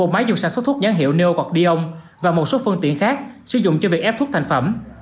một máy dùng sản xuất thuốc nhán hiệu neocordion và một số phân tiện khác sử dụng cho việc ép thuốc thành phẩm